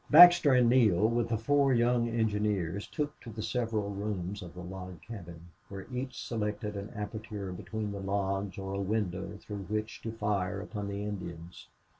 Baxter and Neale, with the four young engineers, took to the several rooms of the log cabin, where each selected an aperture between the logs or a window through which to fire upon the Indians.